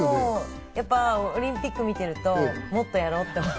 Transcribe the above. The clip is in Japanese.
オリンピックを見てると、もっとやろうって思う。